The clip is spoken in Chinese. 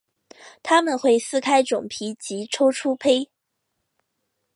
它们会撕开种皮及抽出胚。